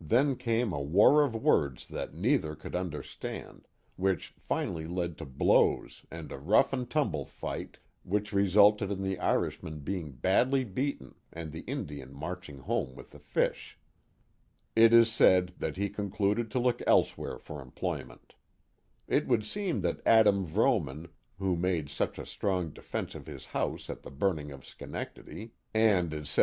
Then came a war of words that neither could understand, which finally led to blows and a rough and tumble fight, which resulted in the Irishman being badly beaten and the Indian marching home with the fish. It is said that he concluded to look elsewhere for employ ment. It would seem that Adam Vrooman, who made such a strong defence of his house at the burning of Schenectady, and i64 The Mohawk VaU^ if s^id.